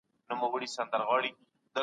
فیل له کلي تېر سوی دی.